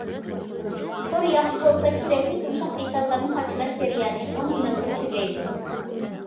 تور ياخشى بولسا كېرەكلىك يۇمشاق دېتاللارنى قاچىلاش جەريانى ئون مىنۇتتىلا تۈگەيدۇ.